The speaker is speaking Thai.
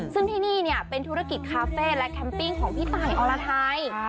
ซึ่งที่นี่เนี่ยเป็นธุรกิจคาเฟ่และแคมปิ้งของพี่ตายอรไทย